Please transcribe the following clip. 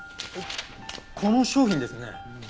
この商品ですね。